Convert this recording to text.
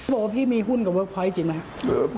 บอกว่าพี่มีหุ้นกับเวิร์กพอยต์จริงไหมครับ